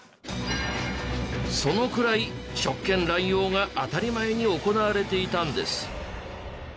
そのくらい職権乱用が当たり前に行われていたんです。